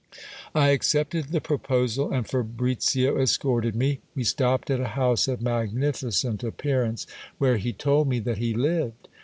I accepted the proposal, and Fabricio escorted me. We stopped at a house of magnificent appearance, where he told me that he lived.